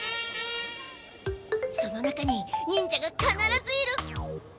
その中に忍者がかならずいる！